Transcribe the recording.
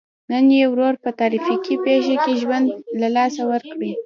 نن یې ورور په ترافیکي پېښه کې ژوند له لاسه ورکړی.